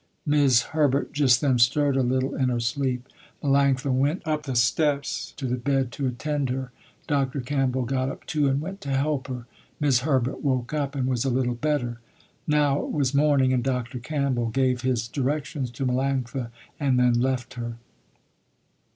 'Mis' Herbert just then stirred a little in her sleep. Melanctha went up the steps to the bed to attend her. Dr. Campbell got up too and went to help her. 'Mis' Herbert woke up and was a little better. Now it was morning and Dr. Campbell gave his directions to Melanctha, and then left her.